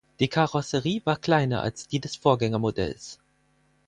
Die Karosserie war kleiner als die des Vorgängermodells.